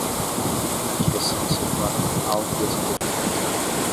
na direção de seu próprio autodesenvolvimento